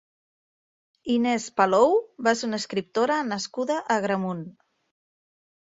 Inés Palou va ser una escriptora nascuda a Agramunt.